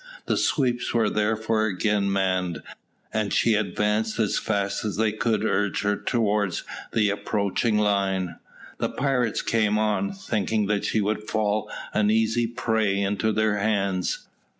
The sweeps were therefore again manned, and she advanced as fast as they could urge her towards the approaching line. The pirates came on, thinking that she would fall an easy prey into their hands.